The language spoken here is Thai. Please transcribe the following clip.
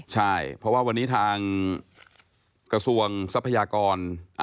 ใช่เพราะว่าวันนี้ทางกระทรวงทรัพยากร